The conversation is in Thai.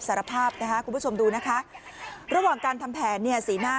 แสรภาพนะครับคุณผู้ชมดูนะคะระหว่างการทำแผนสี่หน้า